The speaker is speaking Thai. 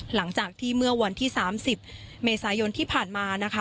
หลังจากที่เมื่อวันที่๓๐เมษายนที่ผ่านมานะคะ